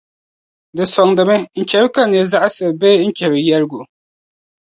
Di sͻŋdimi n-chɛri ka nira zaɣisiri bee n-chihiri yɛligu.